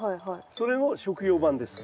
それの食用版です。